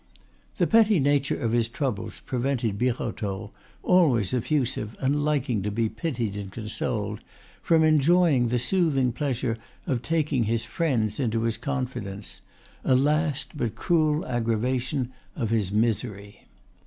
The petty nature of his troubles prevented Birotteau, always effusive and liking to be pitied and consoled, from enjoying the soothing pleasure of taking his friends into his confidence, a last but cruel aggravation of his misery.